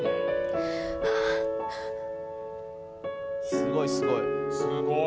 すごいすごい。